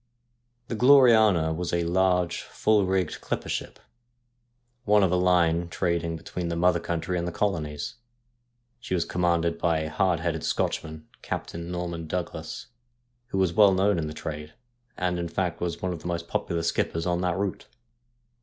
The Gloriana was a large, full rigged, clipper ship, one of a line trading between the mother country and the colonies. She was commanded by a hard headed Scotchman, Captain Norman Douglas, who was well known in the trade, and, in fact, was one of the most popular skippers on that route.